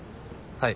はい。